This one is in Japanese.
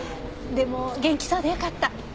でも元気そうでよかった。